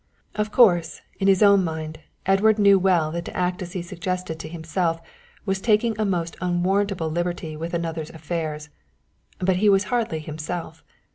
Of course, in his own mind, Edward knew well that to act as he suggested to himself was taking a most unwarrantable liberty with another's affairs; but he was hardly himself.